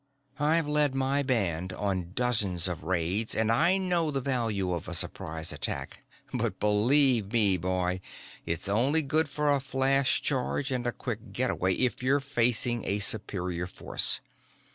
I've led my band on dozens of raids, and I know the value of a surprise attack; but believe me, boy, it's only good for a flash charge and a quick getaway if you're facing a superior force.